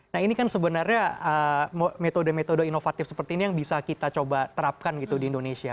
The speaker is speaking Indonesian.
nah ini kan sebenarnya metode metode inovatif seperti ini yang bisa kita coba terapkan gitu di indonesia